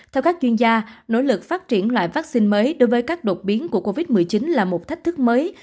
theo các chuyên gia nỗ lực phát triển loại vaccine mới đối với các đột biến của covid một mươi chín là một thách thức mới